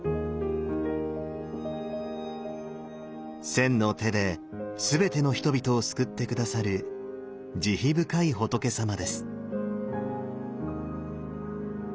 千の手で全ての人々を救って下さる慈悲深い仏さまです。